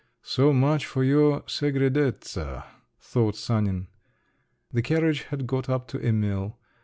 "So much for your segredezza!" thought Sanin. The carriage had got up to Emil.